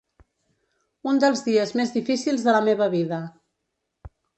Un dels dies més difícils de la meva vida.